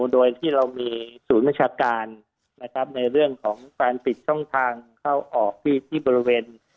โดยที่เรามีศูนย์บัญชาการนะครับในเรื่องของการปิดช่องทางเข้าออกที่บริเวณ